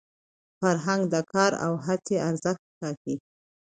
فرهنګ د کار او هڅي ارزښت ټاکي.